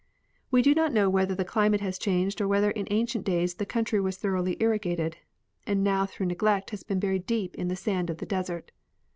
We do not know whether the climate has changed or whether in ancient days the country was thoroughly irrigated, and now through neglect has been buried deep in the sand of the desert.